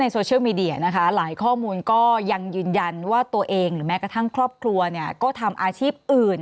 บางเรื่องให้เป็นคนบางเรื่องให้เป็นครอบครัวครับ